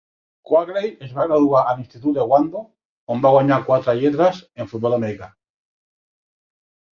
Coakley es va graduar a l'institut de Wando, on va guanyar quatre lletres en futbol americà.